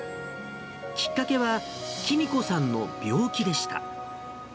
きっかけは、喜美子さんの病気でした。